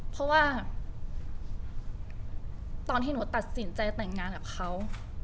เพราะว่าตอนที่หนูตัดสินใจแต่งงานกับเขา